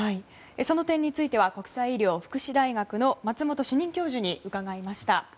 その点については国際医療福祉大学の松本主任教授に伺いました。